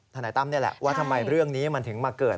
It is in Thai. นายตั้มนี่แหละว่าทำไมเรื่องนี้มันถึงมาเกิด